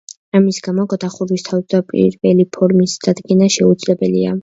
ამის გამო გადახურვის თავდაპირველი ფორმის დადგენა შეუძლებელია.